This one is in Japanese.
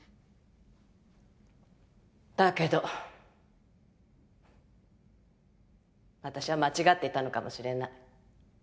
だけど私は間違っていたのかもしれない。